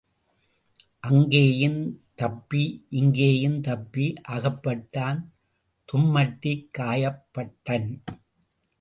அங்கேயும் தப்பி இங்கேயும் தப்பி அகப்பட்டான் தும்மட்டிக் காய்ப் பட்டன்.